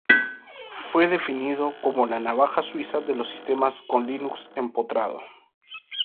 Fue definido como ""la navaja suiza de los sistemas con Linux empotrado"".